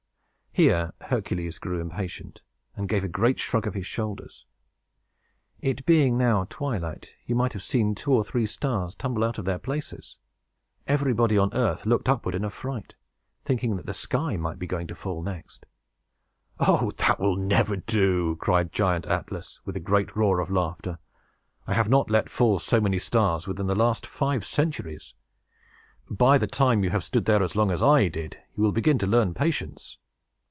Here Hercules grew impatient, and gave a great shrug of his shoulders. It being now twilight, you might have seen two or three stars tumble out of their places. Everybody on earth looked upward in affright, thinking that the sky might be going to fall next. "Oh, that will never do!" cried Giant Atlas, with a great roar of laughter. "I have not let fall so many stars within the last five centuries. By the time you have stood there as long as I did, you will begin to learn patience!"